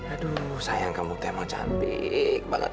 aduh sayang kamu itu emang cantik banget